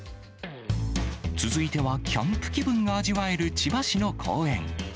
続いては、キャンプ気分が味わえる千葉市の公園。